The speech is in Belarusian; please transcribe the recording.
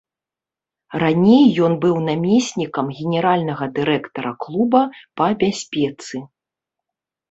Раней ён быў намеснікам генеральнага дырэктара клуба па бяспецы.